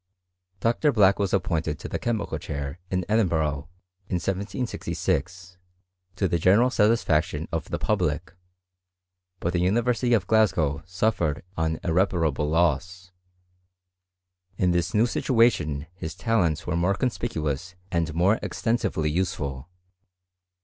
Dr. Black was appointed to the chemical chair in Edinburgh in 1766, to the general satisfaction of the {Public, but the University of Glasgow suffered an irreparable loss. In this new situation his talents were more conspicuous and more extensively useful.